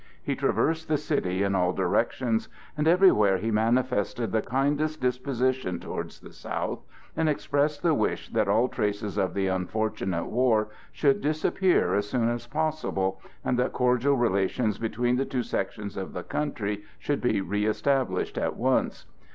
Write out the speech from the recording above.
He traversed the city in all directions, and everywhere he manifested the kindest disposition towards the South, and expressed the wish that all traces of the unfortunate war should disappear as soon as possible and that cordial relations between the two sections of the country should be reëstablished at once.